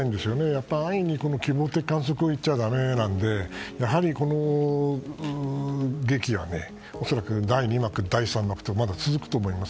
やっぱり安易に希望的観測を言っちゃだめなのでやはりこの劇は恐らく第２幕、第３幕とまだ続くと思います。